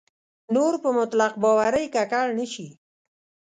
نور په مطلق باورۍ ککړ نه شي.